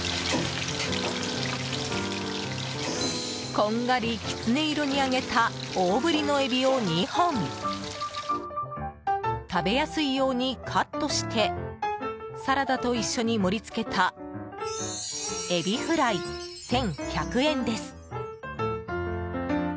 こんがりきつね色に揚げた大ぶりのエビを２本食べやすいようにカットしてサラダと一緒に盛り付けたエビフライ、１１００円です。